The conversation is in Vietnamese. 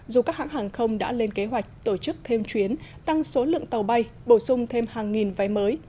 dù các hãng hàng không đã lên kế hoạch tổ chức thêm chuyến tăng số lượng tàu bay bổ sung thêm hàng nghìn vé mới